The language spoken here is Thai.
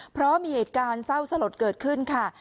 เพราะมีเหตุการณ์เศร้าสลดเกิดขึ้นค่ะ